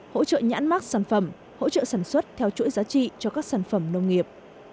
hỗ trợ nhãn mắc sản phẩm hỗ trợ sản xuất theo chuỗi giá trị cho các sản phẩm nông nghiệp